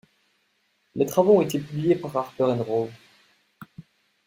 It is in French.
Les travaux ont été publiés par Harper & Row.